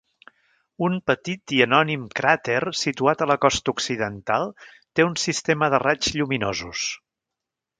Un petit i anònim cràter situat a la costa occidental té un sistema de raigs lluminosos.